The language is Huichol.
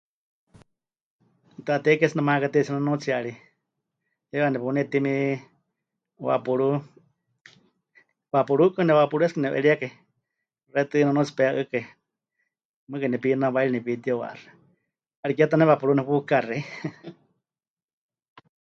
Taatei Kie tsɨ nemayekateitsie nunuutsiyari, heiwa nepunetími Vaporub, Vaporubkɨ, neVaporub es que nepɨ'eríekai, xewítɨ nunuutsi pe'ɨkai, mɨɨkɨ nepinawairi nepitiwaxɨa, 'ariké ta neVaporub nepukaxei.